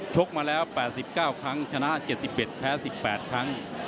กมาแล้ว๘๙ครั้งชนะ๗๑แพ้๑๘ครั้ง